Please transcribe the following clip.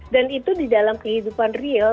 dan itu di dalam kehidupan real